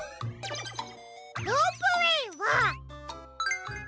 ロープウェイは。